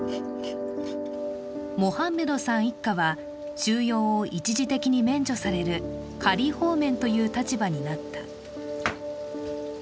モハンメドさん一家は収容を一時的に免除される仮放免という立場になった。